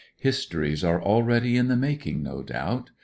Histories are aheady in the making, no doubt.